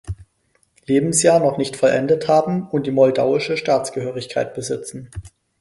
Lebensjahr noch nicht vollendet haben und die moldauische Staatsangehörigkeit besitzen.